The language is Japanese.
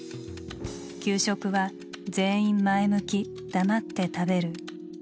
給食は全員前向き黙って食べる。